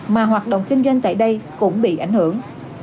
mà hoạt động kinh doanh tại đây cũng bị ảnh hưởng